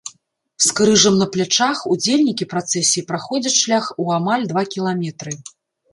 З крыжам на плячах удзельнікі працэсіі праходзяць шлях у амаль два кіламетры.